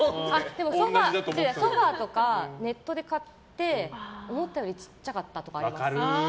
でもソファとかネットで買って思ったより小さかったとかあります。